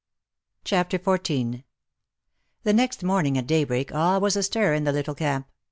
CHAPTER XIV The next morning at daybreak all was astir in the little camp.